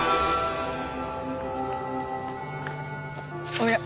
お願い！